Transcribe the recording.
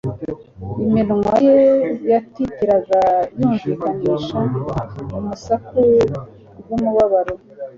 iminwa ye yatitiraga yumvikanisha umsaku rw'umubabaro.